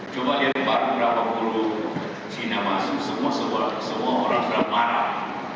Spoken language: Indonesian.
coba lihat baru berapa bulan china masuk semua orang beramaran